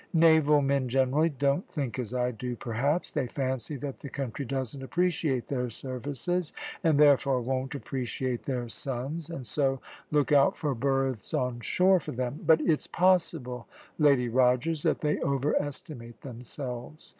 Naval men, generally, don't think as I do, perhaps. They fancy that the country doesn't appreciate their services, and, therefore, won't appreciate their sons, and so look out for berths on shore for them; but it's possible, Lady Rogers, that they over estimate themselves.